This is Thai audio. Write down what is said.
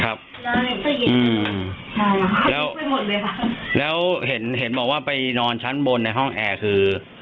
ครับอืมแล้วแล้วเห็นเห็นบอกว่าไปนอนชั้นบนในห้องแอร์คือ